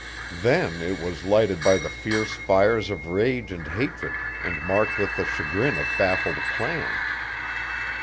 Then it was lighted by the fierce fires of rage and hatred, and marked with the chagrin of baffled plans.